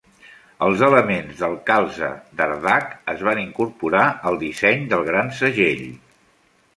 Els elements del calze d'Ardagh es van incorporar al disseny del Gran segell.